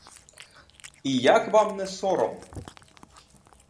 І як вам не сором!